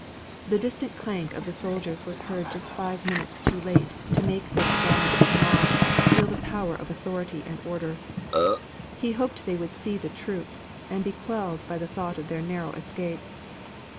The distant clank of the soldiers was heard: just five minutes too late to make this vanished mob feel the power of authority and order. He hoped they would see the troops, and be quelled by the thought of their narrow escape.